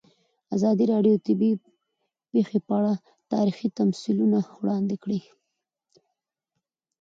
ازادي راډیو د طبیعي پېښې په اړه تاریخي تمثیلونه وړاندې کړي.